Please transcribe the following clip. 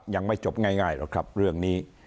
ยังไม่จบง่ายหรอกครับเรื่องนี้